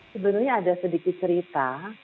sebenarnya ada sedikit cerita